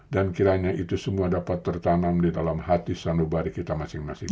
dan kiranya itu semua dapat tertanam di dalam hati sanubari kita masing masing